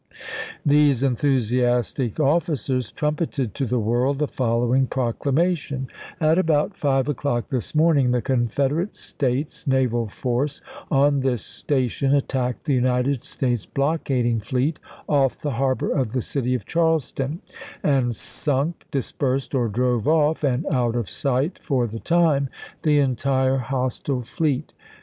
These enthusiastic officers trumpeted to the world the following proclamation : "At about five o'clock this morning the Confederate States naval force on this station attacked the United States blockading fleet off the harbor of the city of Charleston, and sunk, dispersed, or drove off and out of sight, for the time, the entire hostile fleet.